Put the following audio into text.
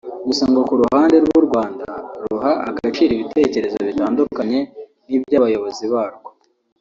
gusa ngo ku ruhande rw’u Rwanda ruha agaciro ibitekerezo bitandukanye n’iby’abayobozi barwo